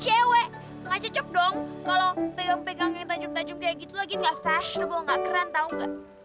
saya kan cewek gak cocok dong kalo pegang pegang yang tajam tajam kayak gitu lagi gak fashion gak keren tau gak